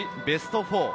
ベスト４。